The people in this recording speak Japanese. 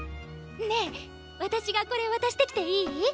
ねえ私がこれ渡してきていい？